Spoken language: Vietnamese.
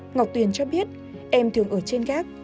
ngọc tuyền cho biết em thường ở trên gác